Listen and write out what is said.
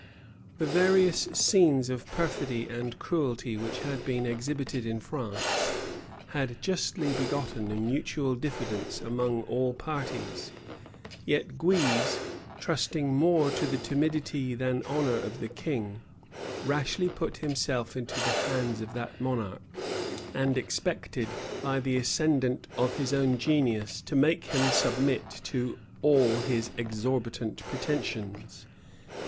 The various scenes of perfidy and cruelty which had been exhibited in France, had justly begotten a mutual diffidence among all parties; yet Guise, trusting more to the timidity than honor of the king, rashly put himself into the hands of that monarch, and expected, by the ascendant of his own genius, to make him submit to all his exorbitant pretensions.